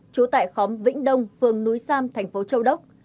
trú tại khóm vĩnh đông phường núi sam thành phố châu đốc